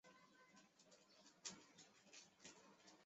台湾独活为伞形科当归属祁白芷的变种。